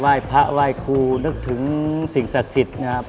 พระไหว้ครูนึกถึงสิ่งศักดิ์สิทธิ์นะครับ